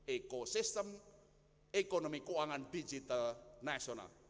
ekosistem ekonomi keuangan digital nasional